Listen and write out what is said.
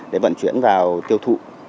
để vận chuyển vào tiêu thụ